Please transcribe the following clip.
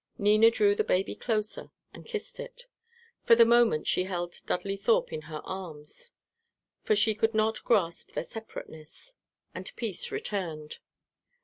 Nina drew the baby closer, and kissed it. For the moment she held Dudley Thorpe in her arms, for she could not grasp their separateness, and peace returned.